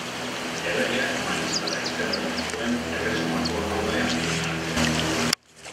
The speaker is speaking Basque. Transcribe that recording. Erregeak mariskala izendatzen zuen erresumako noble handien artean.